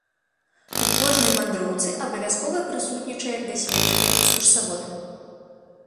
У кожнай вандроўцы абавязкова прысутнічае дасведчаны экскурсавод.